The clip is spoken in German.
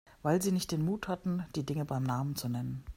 Weil Sie nicht den Mut hatten, die Dinge beim Namen zu nennen.